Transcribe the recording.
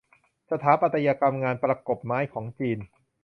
สถาปัตยกรรมงานประกบไม้ของจีน